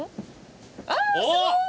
あっすごい！